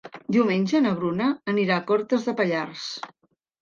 Diumenge na Bruna anirà a Cortes de Pallars.